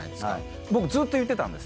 僕ずーっと言ってたんですよ。